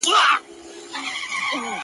ورور د وجدان جګړه کوي دننه,